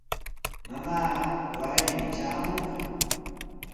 Mamaaqa waraymi traamunqa.